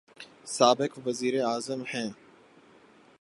سابق وزیر اعظم ہیں۔